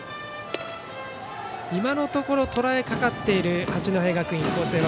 今のところ、とらえかかっている八戸学院光星。